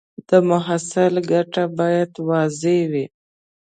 د محصول ګټه باید واضح وي.